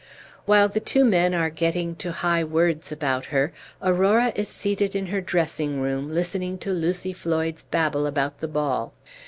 While the two men are getting to high words about her, Aurora is seated in her dressing room, listening to Lucy Floyd's babble about the ball.